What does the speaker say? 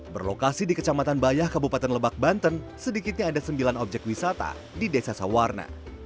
berlokasi di kecamatan bayah kabupaten lebak banten sedikitnya ada sembilan objek wisata di desa sawarna